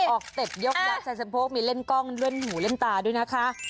เต็ปยกยักษ์ชายสะโพกมีเล่นกล้องเล่นหูเล่นตาด้วยนะคะ